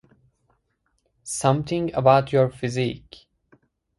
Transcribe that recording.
Something about your physique.